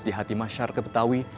di hati masyarakat betawi